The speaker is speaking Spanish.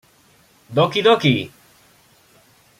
Doki Doki!